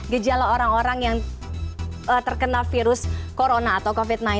gejala orang orang yang terkena virus corona atau covid sembilan belas